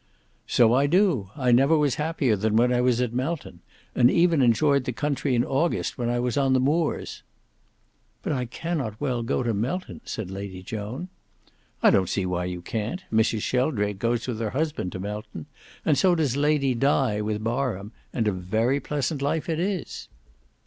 "So I do; I never was happier than when I was at Melton, and even enjoyed the country in August when I was on the Moors." "But I cannot well go to Melton," said Lady Joan. "I don't see why you can't. Mrs Shelldrake goes with her husband to Melton, and so does Lady Di with Barham; and a very pleasant life it is."